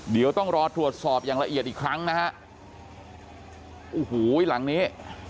เดี๋ยวต้องรอตรวจสอบอย่างละเอียดอีกครั้งนะฮะโอ้โหหลังนี้